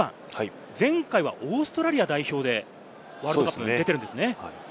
前回はオーストラリア代表でワールドカップに出てるんですね。